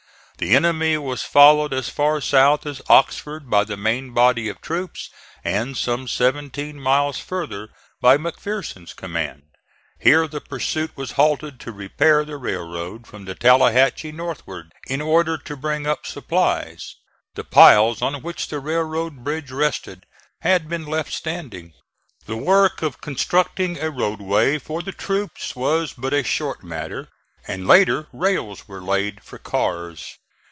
The enemy was followed as far south as Oxford by the main body of troops, and some seventeen miles farther by McPherson's command. Here the pursuit was halted to repair the railroad from the Tallahatchie northward, in order to bring up supplies. The piles on which the railroad bridge rested had been left standing. The work of constructing a roadway for the troops was but a short matter, and, later, rails were laid for cars.